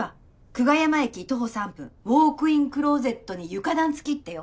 久我山駅徒歩３分ウォークインクローゼットに床暖付きってよ。